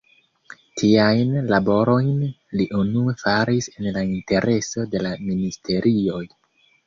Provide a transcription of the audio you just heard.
Tiajn laborojn li unue faris en la intereso de la ministerioj.